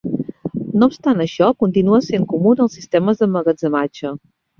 No obstant això, continua sent comú en els sistemes d'emmagatzematge.